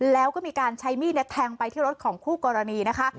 แล้วก็มีการใช้มีดแทงไปที่รถของคู่กรณีนะคะ